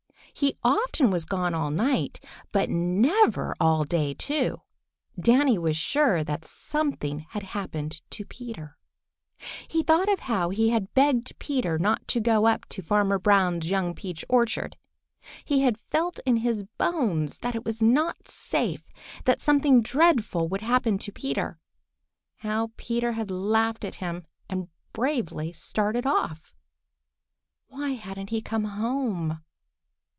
He often was gone all night, but never all day too. Danny was sure that something had happened to Peter. He thought of how he had begged Peter not to go up to Farmer Brown's young peach orchard. He had felt in his bones that it was not safe, that something dreadful would happen to Peter. How Peter had laughed at him and bravely started off! Why hadn't he come home?